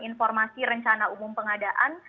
informasi rencana umum pengadaan